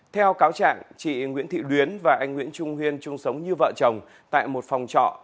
theo cáo trạng chị nguyễn thị luyến và anh nguyễn trung huyên chung sống như vợ chồng tại một phòng trọ